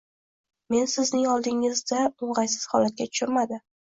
Meni sizning oldingizda oʻngʻaysiz holatga tushirmadi